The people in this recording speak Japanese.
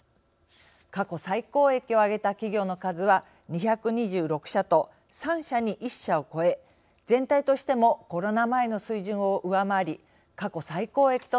過去最高益を上げた企業の数は２２６社と３社に１社を超え全体としてもコロナ前の水準を上回り過去最高益となる見通しです。